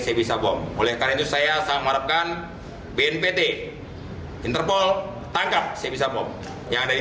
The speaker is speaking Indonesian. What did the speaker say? sebisa bom oleh karena itu saya sama merekkan bnpt interpol tangkap sebisa bom yang ada di